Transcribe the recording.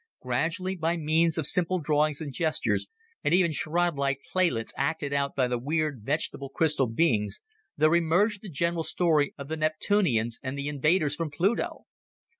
Gradually, by means of simple drawings and gestures, and even charadelike playlets acted out by the weird vegetable crystal beings, there emerged the general story of the Neptunians and the invaders from Pluto.